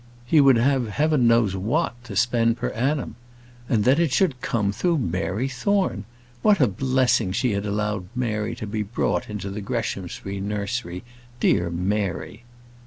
He would have heaven knows what to spend per annum. And that it should come through Mary Thorne! What a blessing she had allowed Mary to be brought into the Greshamsbury nursery! Dear Mary!